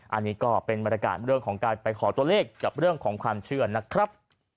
อันนี้ก็เป็นบรรยากาศเรื่องของการไปขอตัวเลขกับเรื่องของความเชื่อนะครับ